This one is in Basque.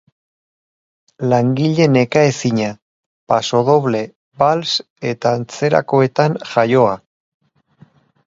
Langile nekaezina, pasodoble, bals eta antzerakoetan jaioa.